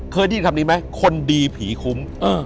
เคยได้ยินคำนี้ไหมคนดีผีคุ้ม